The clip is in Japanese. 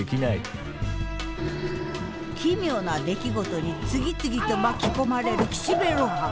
奇妙な出来事に次々と巻き込まれる岸辺露伴。